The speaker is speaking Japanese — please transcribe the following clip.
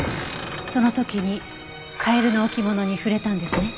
その時にカエルの置物に触れたんですね。